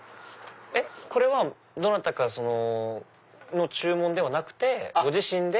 これはどなたかの注文ではなくてご自身で。